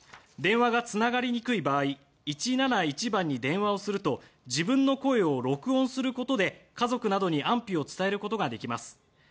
電話がつながりにくい場合１７１番に電話をすると自分の声を録音することで家族などに安否を伝えることができます。